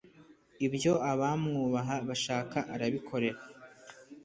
ibyo abamwubaha bashaka arabikora